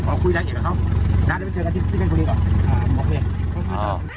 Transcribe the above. โอเคขอบคุณค่ะ